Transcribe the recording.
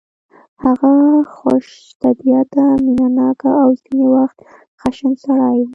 هغه خوش طبیعته مینه ناک او ځینې وخت خشن سړی و